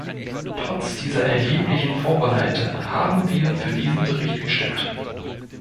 Trotz dieser erheblichen Vorbehalte haben wir für diesen Bericht gestimmt.